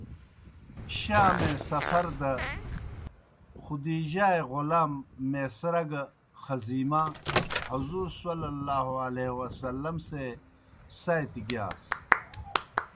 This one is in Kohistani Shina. شام اےْ سفر دہ خدیجہؓ اےْ غولام میسرہ گہ خذیمہ، حضورﷺ سے ساتیْ گِیاس۔